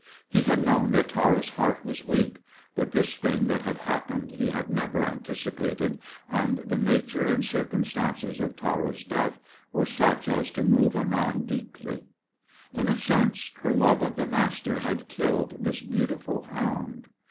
He had known that Tara's heart was weak, but this thing that had happened he had never anticipated, and the nature and circumstances of Tara's death were such as to move a man deeply. In a sense, her love of the Master had killed this beautiful hound.